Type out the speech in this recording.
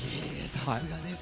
さすがです。